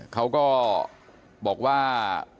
เขาก็บอกว่า